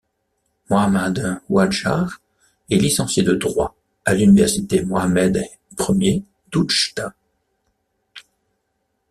Mohamed Auajjar est licencié de droit à l'université Mohamed I d'Oujda.